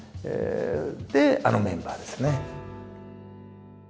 であのメンバーですね。